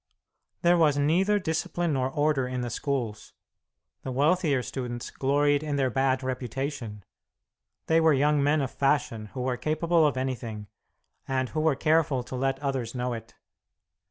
There was neither discipline nor order in the schools. The wealthier students gloried in their bad reputation. They were young men of fashion who were capable of anything, and who were careful to let others know it.